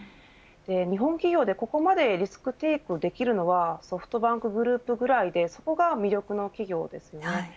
日本企業でここまでリスクテイクできるのはソフトバンクグループぐらいでそこが魅力の企業です。